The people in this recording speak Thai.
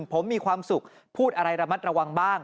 ผมมีความสุขพูดอะไรระมัดระวังบ้าง